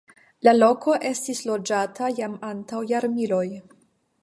La loko estis loĝata jam antaŭ jarmiloj.